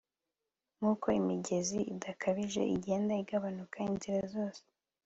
Nkuko imigezi idakabije igenda igabanuka inzira zose